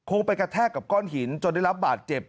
ไปกระแทกกับก้อนหินจนได้รับบาดเจ็บ